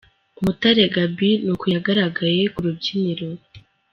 "Umutare Gaby ni uku yagaragaye ku rubyiniro.